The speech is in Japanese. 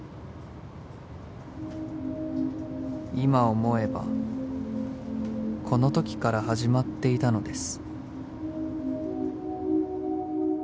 ［今思えばこのときから始まっていたのです］